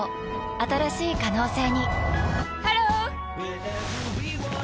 新しい可能性にハロー！